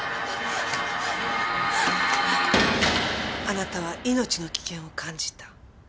あなたは命の危険を感じた。